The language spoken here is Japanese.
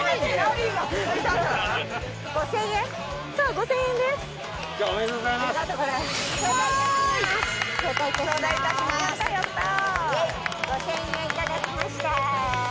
５，０００円いただきました。